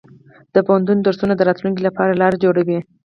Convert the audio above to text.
د پوهنتون درسونه د راتلونکي لپاره لار جوړوي.